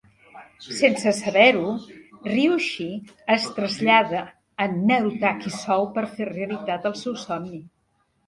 Sense saber-ho, Ryushi es trasllada a Narutaki-Sou per fer realitat el seu somni.